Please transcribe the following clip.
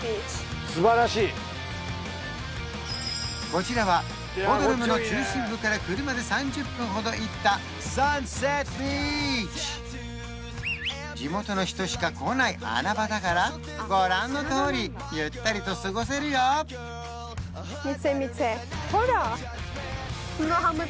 こちらはボドルムの中心部から車で３０分ほど行った地元の人しか来ない穴場だからご覧のとおりゆったりと過ごせるよほら！